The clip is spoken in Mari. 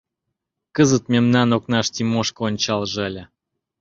Кызыт мемнан окнаш Тимошка ончалже ыле...